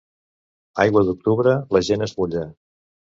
Aigua d'octubre, la gent es mulla.